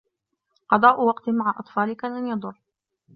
قضاء وقت مع أطفالك لن يضر.